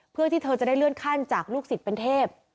เพื่อเจอการเลื่อนขั้นจากลูกสิตเป็นเทพ